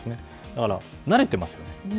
だから、慣れていますよね。